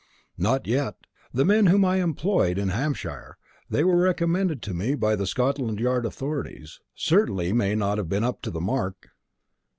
"Not yet. The men whom I employed in Hampshire they were recommended to me by the Scotland yard authorities, certainly may not have been up to the mark.